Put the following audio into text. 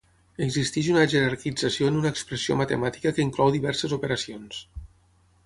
Existeix una jerarquització en una expressió matemàtica que inclou diverses operacions.